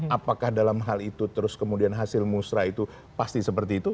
apakah dalam hal itu terus kemudian hasil musrah itu pasti seperti itu